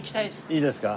いいですか？